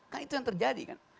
kan itu yang terjadi kan